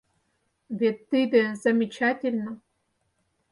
Вет тиде — замечательно!